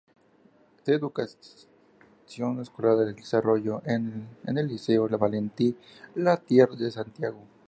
Se educación escolar la desarrollo en el Liceo Valentín Letelier de Santiago.